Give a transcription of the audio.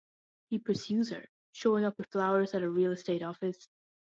He pursues her, showing up with flowers at her real estate office.